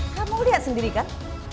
kamu lihat sendiri kan